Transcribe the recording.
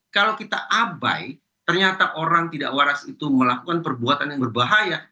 kalau kita abai ternyata orang tidak waras itu melakukan perbuatan yang berbahaya